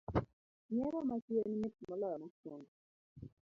Nyiero ma chien mit moloyo mokuongo